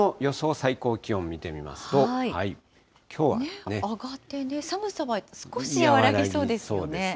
最高気温見てみますと、きょうはね。上がってね、和らぎそうですね。